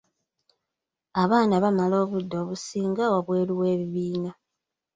Abaana bamala obudde obusinga wabweru w'ebibiina.